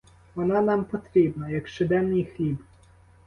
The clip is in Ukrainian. Вона нам потрібна, як щоденний хліб.